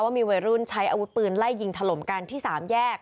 มีวัยรุ่นใช้อาวุธปืนไล่ยิงถล่มกันที่๓แยก